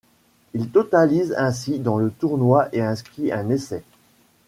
Il totalise ainsi dans le tournoi et inscrit un essai.